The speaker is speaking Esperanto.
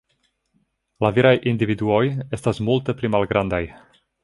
La viraj individuoj estas multe pli malgrandaj.